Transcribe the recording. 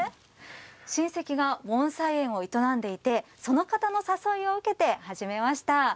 親戚が盆栽園を営んでいて、その方の誘いを受けて始めました。